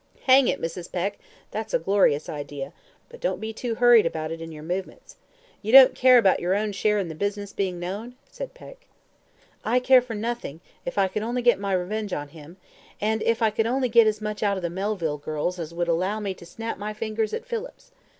"Hang it, Mrs. Peck, that is a glorious idea, but don't be too hurried in your movements. You don't care about your own share in the business being known?" said Peck. "I care for nothing if I could only get my revenge on him, and if I could only get as much out of the Melville girls as would allow me to snap my fingers at Phillips.